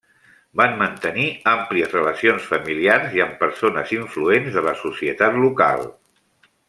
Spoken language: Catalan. Van mantenir àmplies relacions familiars i amb persones influents de la societat local.